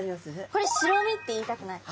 これ白身って言いたくなる。